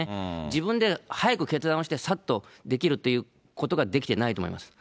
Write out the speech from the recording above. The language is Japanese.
自分で早く決断をして、さっとできるということができてないと思います。